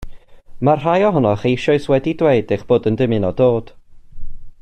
Mae rhai ohonoch eisoes wedi dweud eich bod yn dymuno dod